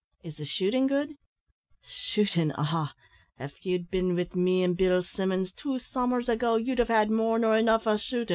Is the shooting good?" "Shootin', ah! av ye'd bin wi' me an' Bill Simmons, two summers ago, ye'd have had more nor enough o' shootin'.